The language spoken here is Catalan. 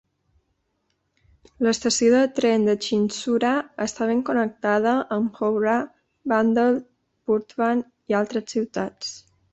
L'estació de tren de Chinsurah està ben connectada amb Howrah, Bandel, Burdwan i altres ciutats.